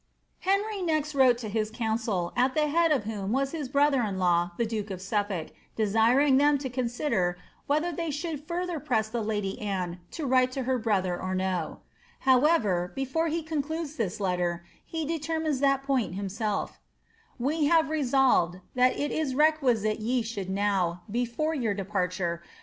^^^Uenry next wroie to his council, at the head of whom was hi^ brDttier in'law, the duke of Suflblk, deairing them to consider " whei' [liey ihuuld further press the lady Anne to write to ber brotlier or However, before he concludes the tetter, he determines ihul point •tlf :" We have resolved, that it is requisiie ye should now, before your lirpariure.